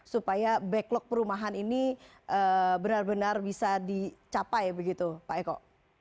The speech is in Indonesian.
supaya backlog perumahan ini benar benar bisa dicapai begitu pak eko